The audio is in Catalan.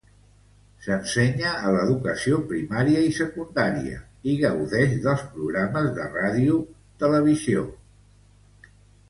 S'ensenya a l'educació primària i secundària i gaudeix de programes de ràdio, televisió.